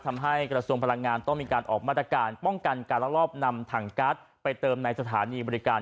ทำให้กระทรวงพลังงานต้องมีการออกมาตรการป้องกันการลักลอบนำถังการ์ดไปเติมในสถานีบริการ